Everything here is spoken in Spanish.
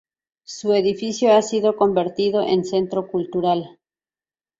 Su edificio ha sido convertido en Centro Cultural.